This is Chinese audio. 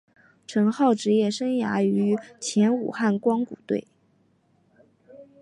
陈浩职业生涯始于前武汉光谷队。